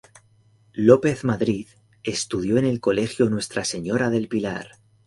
López Madrid estudió en el Colegio Nuestra Señora del Pilar.